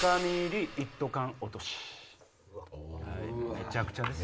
めちゃくちゃですよ。